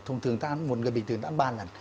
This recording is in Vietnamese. thường thường ta ăn một người bệnh thường ta ăn ba lần